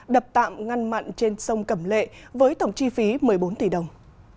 đập tạm ngăn mặn trên sông cẩm lệ với tổng chi phí một mươi bốn tỷ đồng